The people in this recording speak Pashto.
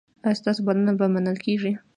ایا ستاسو بلنه به منل کیږي؟